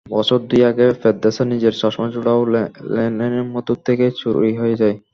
বছর দুই আগে পেদ্রাসার নিজের চশমাজোড়াও লেননের মূর্তি থেকে চুরি হয়ে যায়।